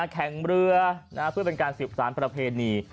แข่งเรือเพื่อเป็นการสืบสารประเพณี